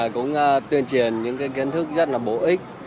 cũng tuyên truyền những kiến thức rất là bổ ích